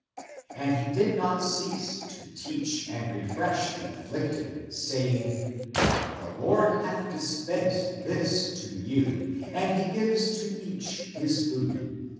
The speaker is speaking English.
And he did not cease to teach and refresh the af flicted, saying, " The Lord hath dispensed this to you, and he gives to each his food.